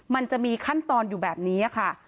มันจะมีขั้นตอนอยู่แบบนี้ค่ะ